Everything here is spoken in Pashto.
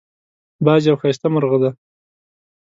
باز یو ښایسته مرغه دی